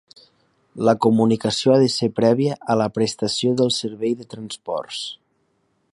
La comunicació ha de ser prèvia a la prestació del servei de transports.